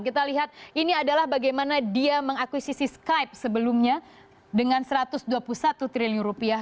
kita lihat ini adalah bagaimana dia mengakuisisi skype sebelumnya dengan satu ratus dua puluh satu triliun rupiah